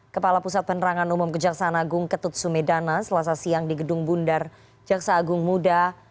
kepala pusat penerangan umum kejaksaan agung ketut sumedana selasa siang di gedung bundar jaksa agung muda